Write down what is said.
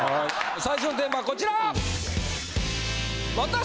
最初のテーマはこちら！